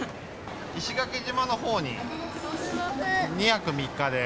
石垣島のほうに２泊３日で。